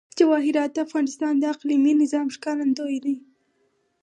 جواهرات د افغانستان د اقلیمي نظام ښکارندوی ده.